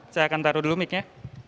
saya akan taruh dulu mic nya